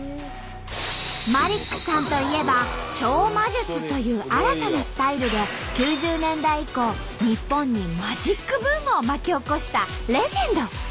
マリックさんといえば「超魔術」という新たなスタイルで９０年代以降日本にマジックブームを巻き起こしたレジェンド！